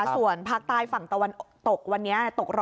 ส่วนภาคใต้ฝั่งตะวันตกวันนี้